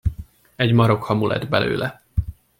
Egy marok hamu lett belőle.